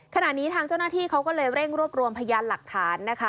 ขณะนี้ทางเจ้าหน้าที่เขาก็เลยเร่งรวบรวมพยานหลักฐานนะคะ